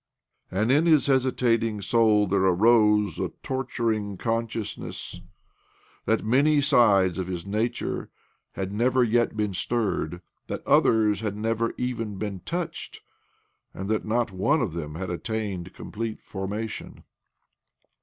And in his hesitating soul there arose a torturing consciousness that many sides of his nature had never yet been stirred, that others had never even been 70 OBLOMOV touched, and that not one of them had attained complete formation.